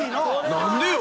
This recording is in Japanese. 何でよ。